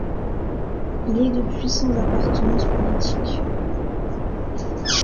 Il est depuis sans appartenance politique.